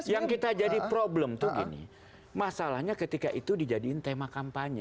yang kita jadi problem tuh gini masalahnya ketika itu dijadikan tema kampanye